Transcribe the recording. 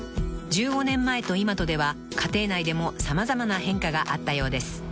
［１５年前と今とでは家庭内でも様々な変化があったようです］